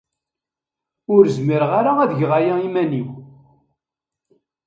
Ur zmireɣ ara ad geɣ aya iman-iw.